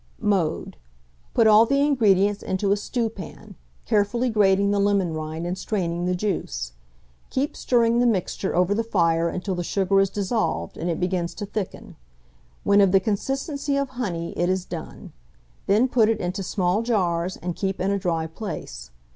Mode. Put all the ingredients into a stewpan, carefully grating the lemon rind and straining the juice. Keep stirring the mixture over the fire until the sugar is dissolved, and it begins to thicken: when of the consistency of honey, it is done; then put it into small jars, and keep in a dry place.